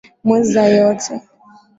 Mweza yote.